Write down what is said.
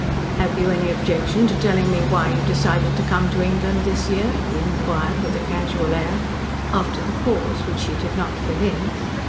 "Have you any objection to telling me why you decided to come to England this year?" he inquired, with a casual air, after the pause which she did not fill in.